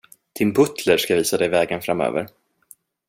Din butler ska visa dig vägen framöver.